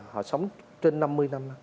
họ sống trên năm mươi năm